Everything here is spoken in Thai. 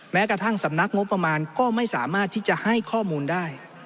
แม้กระทั่งสำนักงบประมาณก็ไม่สามารถที่จะให้ข้อมูลได้